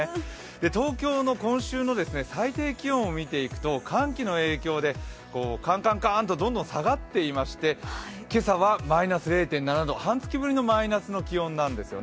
東京の今週の最低気温を見ていくと寒気の影響でカンカンカンとどんどん下がっていまして、今朝はマイナス０．７度、半月ぶりのマイナスの気温なんですね。